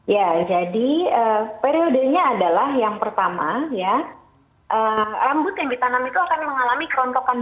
ya jadi periodenya adalah yang pertama ya rambut yang ditanam itu akan mengalami kerontokan